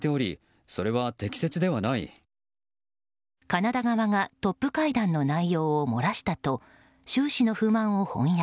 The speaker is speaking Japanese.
カナダ側がトップ会談の内容を漏らしたと習氏の不満を翻訳。